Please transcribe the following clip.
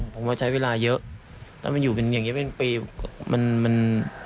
ผมว่าใช้เวลาเยอะถ้ามันอยู่อย่างเงี้ยเป็นปีมันมัน